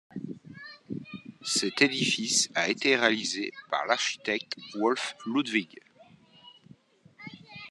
Cet édifice a été réalisé par l'architecte Wolff Ludwig.